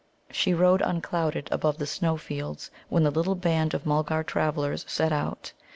She rode unclouded above the snow fields when the little band of Mulgar travellers set out.